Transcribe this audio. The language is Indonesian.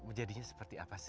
menjadinya seperti apa sih